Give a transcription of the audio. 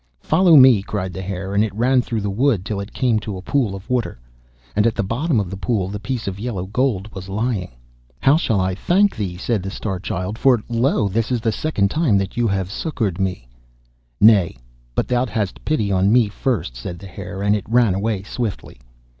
'Follow me,' cried the Hare, and it ran through the wood till it came to a pool of water. And at the bottom of the pool the piece of yellow gold was lying. 'How shall I thank thee?' said the Star Child, 'for lo! this is the second time that you have succoured me.' 'Nay, but thou hadst pity on me first,' said the Hare, and it ran away swiftly.